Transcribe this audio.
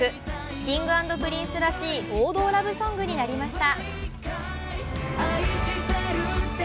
Ｋｉｎｇ＆Ｐｒｉｎｃｅらしい王道ラブソングになりました。